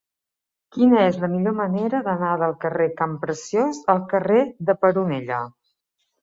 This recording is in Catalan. Quina és la millor manera d'anar del carrer de Campreciós al carrer de Peronella?